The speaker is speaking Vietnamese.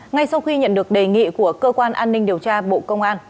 ngay sau khi nhận được đề nghị của cơ quan an ninh điều tra bộ công an